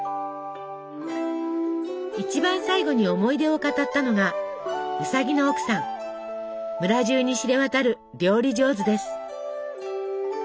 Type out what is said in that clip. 一番最後に思い出を語ったのが村中に知れ渡る料理上手です。